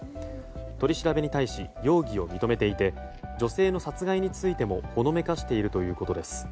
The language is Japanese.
取り調べに対し容疑を認めていて女性の殺害についてもほのめかしているということです。